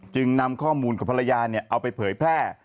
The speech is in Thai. จึงนำข้อมูลของภรรยาเอาไปเผยแพร่